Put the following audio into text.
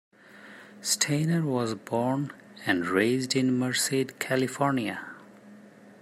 Stayner was born and raised in Merced, California.